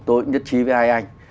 tôi nhất trí với hai anh